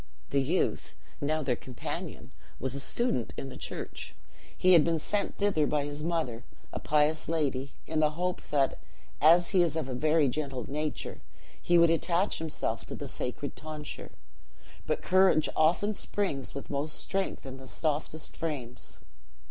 The youth, now their companion, was a student in the church. He had been sent thither by his mother, a pious lady, in the hope that, as he is of a very gentle nature, he would attach himself to the sacred tonsure. But courage often springs with most strength in the softest frames.